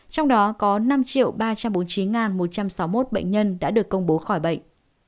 trong đó có năm ba trăm bốn mươi chín một trăm sáu mươi một bệnh nhân đã được công bố khỏi bệnh